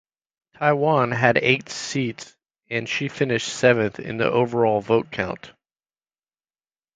Taiwan had eight seats and she finished seventh in the overall vote count.